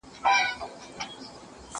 زه به سبا د کتابتون کتابونه ولوستم!.